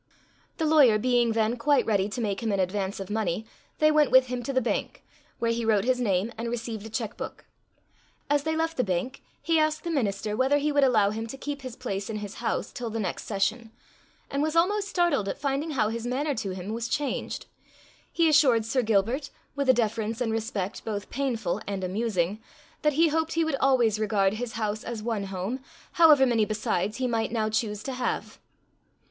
The lawyer being then quite ready to make him an advance of money, they went with him to the bank, where he wrote his name, and received a cheque book. As they left the bank, he asked the minister whether he would allow him to keep his place in his house till the next session, and was almost startled at finding how his manner to him was changed. He assured Sir Gilbert, with a deference and respect both painful and amusing, that he hoped he would always regard his house as one home, however many besides he might now choose to have.